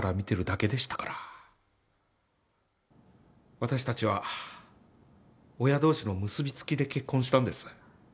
私たちは親同士の結び付きで結婚したんです。